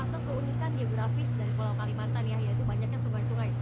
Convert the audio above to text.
yang memang ini salah satu keunikan geografis dari pulau kalimantan ya yaitu banyaknya sungai sungai